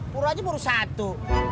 purw aja purw satu